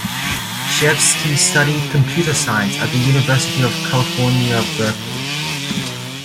Chevsky studied Computer Science at the University of California Berkeley.